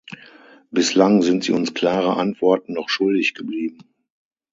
Bislang sind Sie uns klare Antworten noch schuldig geblieben.